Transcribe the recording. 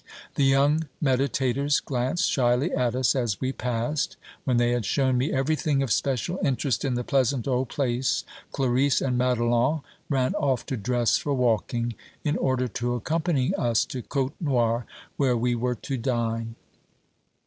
The young meditators glanced shyly at us as we passed. When they had shown me everything of special interest in the pleasant old place, Clarice and Madelon ran off to dress for walking, in order to accompany us to Côtenoir, where we were to dine.